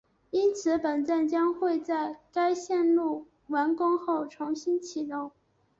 因此本站将会在该线路完工后重新启用